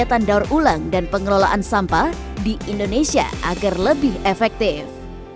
dan juga mendapatkan daur ulang dan pengelolaan sampah di indonesia agar lebih efektif